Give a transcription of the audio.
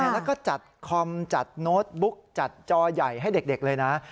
แล้วก็จัดคอมจัดโน้ตบุ๊กจัดจอใหญ่ให้เด็กเลยนะ